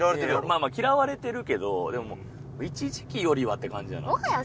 まあまあ嫌われてるけどでも一時期よりはって感じやな。